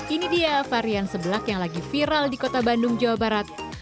ini dia varian sebelak yang lagi viral di kota bandung jawa barat